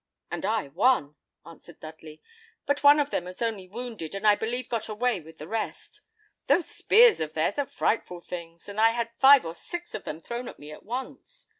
"And I one," answered Dudley; "but one of them was only wounded, and I believe got away with the rest. Those spears of theirs are frightful things; and I had five or six of them thrown at me at once.